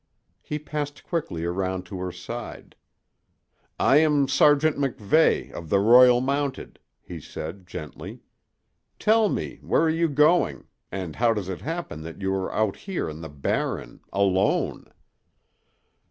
He passed quickly around to her side. "I am Sergeant MacVeigh, of the Royal Mounted," he said, gently. "Tell me, where are you going, and how does it happen that you are out here in the Barren alone."